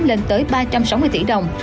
lên tới ba trăm sáu mươi tỷ đồng